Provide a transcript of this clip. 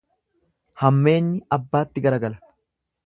Hammeenyi abbaatti garagala.